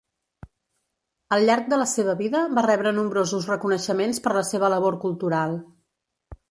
Al llarg de la seva vida va rebre nombrosos reconeixements per la seva labor cultural.